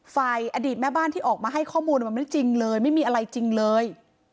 อดีตแม่บ้านที่ออกมาให้ข้อมูลมันไม่จริงเลยไม่มีอะไรจริงเลย